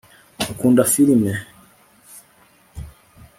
ukunda firime